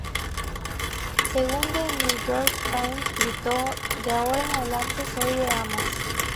Según The New York Times gritó: "De ahora en adelante soy de Hamás!